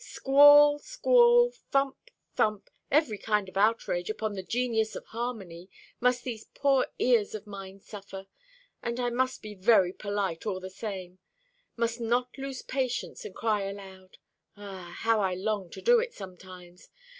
Squall, squall, thump, thump, every kind of outrage upon the genius of harmony must these poor ears of mine suffer; and I must be very polite, all the same; must not lose patience and cry aloud ah, how I long to do it sometimes!